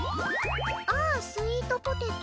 「ああ、スイートポテト。」